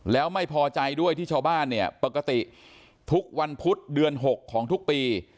แล้วไม่พอใจด้วยที่ชาวบ้านเนี่ยปกติทุกวันพุธเดือน๖ของทุกปี